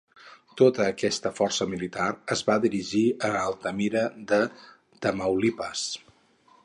Tota aquesta força militar es va dirigir a Altamira de Tamaulipas.